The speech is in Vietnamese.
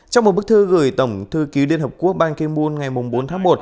trong một bức thư gửi tổng thư ký liên hợp quốc ban ki moon ngày bốn tháng một